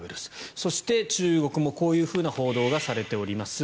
そして、中国もこういうふうな報道がされております。